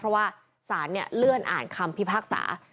เพราะว่าสารเนี่ยเลื่อนอ่านคำพิพักษา